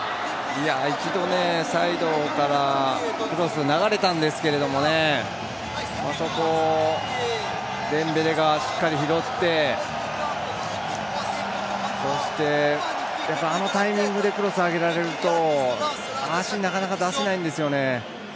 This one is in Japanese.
一度、サイドからクロス流れたんですけれどもそこをデンベレがしっかり拾ってそして、あのタイミングでクロスを上げられると足、なかなか出せないんですよね。